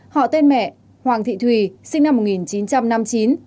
họ tên mẹ hoàng thị thùy sinh năm một nghìn chín trăm năm mươi chín